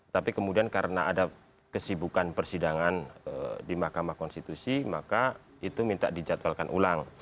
tapi kemudian karena ada kesibukan persidangan di mahkamah konstitusi maka itu minta dijadwalkan ulang